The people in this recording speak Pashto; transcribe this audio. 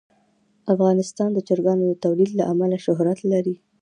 افغانستان د چرګانو د تولید له امله شهرت لري.